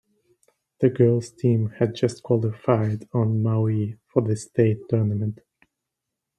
The girls team had just qualified on Maui for the state tournament.